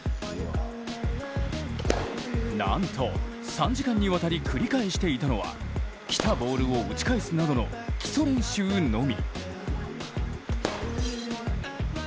なんと、３時間にわたり繰り返していたのは来たボールを打ち返すなどの基礎練習のみ。